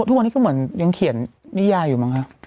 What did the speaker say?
ทุกวันนี้ก็เหมือนยังเขียนนิยายอยู่มั้งคะ